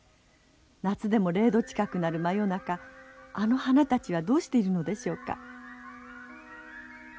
夏でも零度近くなる真夜中あの花たちはどうしているのでしょうか？